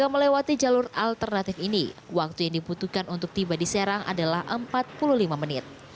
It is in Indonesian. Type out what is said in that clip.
melewati jalur alternatif ini waktu yang dibutuhkan untuk tiba di serang adalah empat puluh lima menit